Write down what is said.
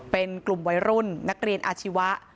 เป็นกลุ่มวัยรุ่นนักเรียนอาชีวะ